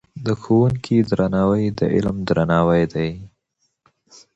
د ښوونکي درناوی د علم درناوی دی.